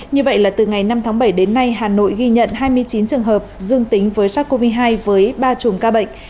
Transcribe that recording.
như vậy là từ ngày năm tháng bảy đến nay hà nội ghi nhận hai mươi chín trường hợp dương tính với sars cov hai với ba chùm ca bệnh